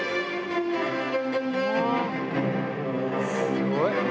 すごいね。